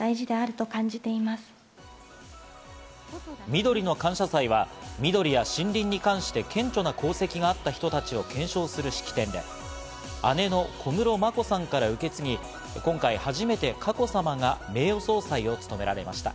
みどりの感謝祭は緑や森林に関して顕著な功績があった人たちを顕彰する式典で、姉の小室眞子さんから受け継ぎ、今回、初めて佳子さまが名誉総裁を務められました。